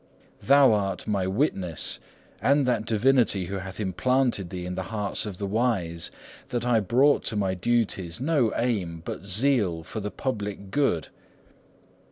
Thou art my witness and that divinity who hath implanted thee in the hearts of the wise, that I brought to my duties no aim but zeal for the public good.